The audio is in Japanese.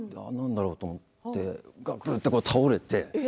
何だろう？と思ってがくって倒れて。